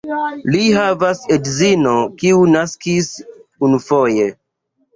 Li havas edzinon kiu naskis unufoje.